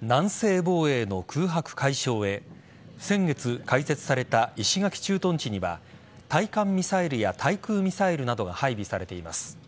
南西防衛の空白解消へ先月開設された石垣駐屯地には対艦ミサイルや対空ミサイルなどが配備されています。